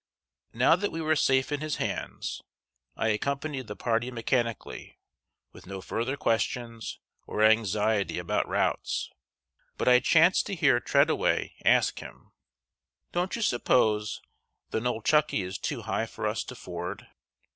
Now that we were safe in his hands, I accompanied the party mechanically, with no further questions or anxiety about routes; but I chanced to hear Treadaway ask him: "Don't you suppose the Nolechucky is too high for us to ford?"